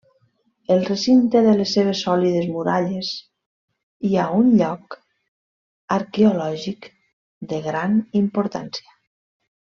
El recinte de les seves sòlides muralles hi ha un lloc arqueològic de gran importància.